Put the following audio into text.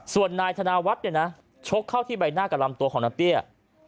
ส่วนนายธนาวัฒน์เนี่ยนะชกเข้าที่ใบหน้ากับลำตัวของน้าเตี้ย